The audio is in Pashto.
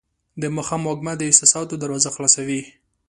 د ماښام وږمه د احساساتو دروازه خلاصوي.